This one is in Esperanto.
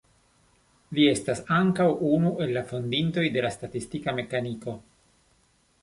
Li estas ankaŭ unu el la fondintoj de la statistika mekaniko.